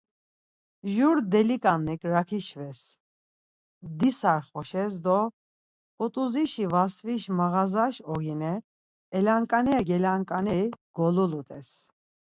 Jur deliǩanlik raǩi şves, disarxoşes do Ǩut̆uzişi Vasviş mağazaş ogine elanǩaner gelanǩaneri golulut̆es.